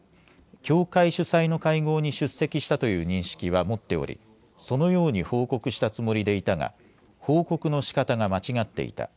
教会主催の会合に出席したという認識は持っており、そのように報告したつもりでいたが報告のしかたが間違っていた。